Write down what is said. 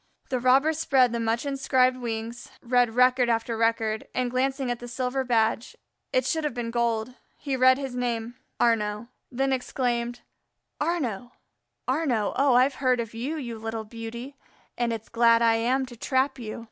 The robber spread the much inscribed wings, read record after record, and glancing at the silver badge it should have been gold he read his name Arnaux; then exclaimed: "Arnaux! Arnaux! Oh, I've heard of you, you little beauty, and it's glad I am to trap you."